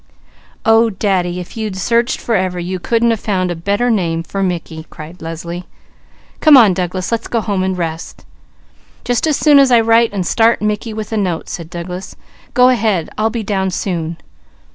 "Oh Daddy, if you'd searched forever, you couldn't have found a better name for Mickey!" cried Leslie. "Come on Douglas let's go home and rest." "Just as soon as I write and start Mickey with a note," said Douglas. "Go ahead, I'll be down soon."